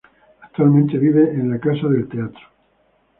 Actualmente vive en La Casa del Teatro.